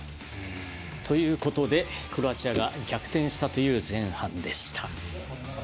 ということでクロアチアが逆転したという前半でした。